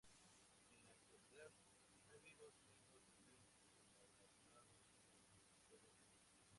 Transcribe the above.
En la actualidad, hay vivos menos de veinte galardonados con la Victoria Cross.